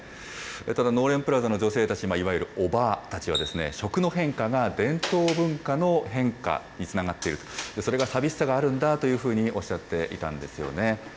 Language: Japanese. ただ、のうれんプラザの女性たち、いわゆるおばあたちは、食の変化が伝統文化の変化につながっていると、それが寂しさがあるんだというふうにおっしゃっていたんですよね。